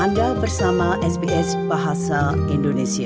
anda bersama sps bahasa indonesia